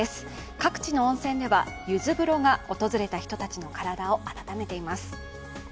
各地の温泉ではゆず風呂が訪れた人たちの体を温めています。